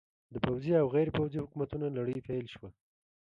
د پوځي او غیر پوځي حکومتونو لړۍ پیل شوه.